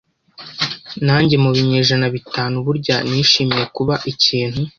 Nanjye mu binyejana bitanu burya nishimiye kuba ikintu